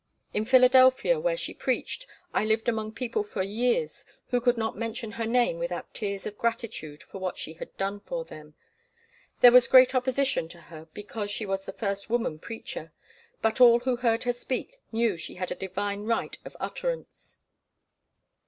In Philadelphia, where she preached, I lived among people for years who could not mention her name without tears of gratitude for what she had done for them. There was great opposition to her because she was the first woman preacher, but all who heard her speak knew she had a divine right of utterance.